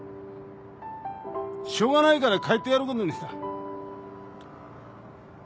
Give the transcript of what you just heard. しょうがないから帰ってやることにした。